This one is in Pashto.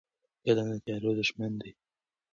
علم د تیارو دښمن دی.